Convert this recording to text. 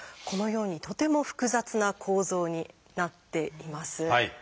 このようにとても複雑な構造になっています。